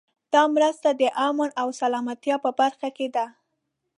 دا مرسته د امن او سلامتیا په برخه کې ده.